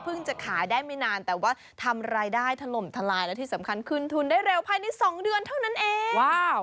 จะขายได้ไม่นานแต่ว่าทำรายได้ถล่มทลายและที่สำคัญขึ้นทุนได้เร็วภายใน๒เดือนเท่านั้นเองว้าว